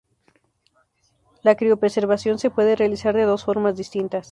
La criopreservación se puede realizar de dos formas distintas.